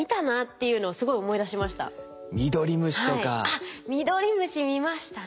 あっミドリムシ見ましたね。